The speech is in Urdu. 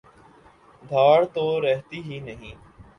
دھاڑ تو رہتی ہی نہیں۔